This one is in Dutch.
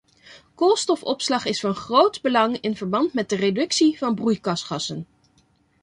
Koolstofopslag is van groot belang in verband met de reductie van broeikasgassen.